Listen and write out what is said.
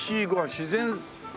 「自然」。